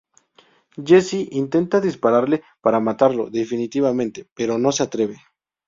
Jesse intenta dispararle para matarlo definitivamente, pero no se atreve.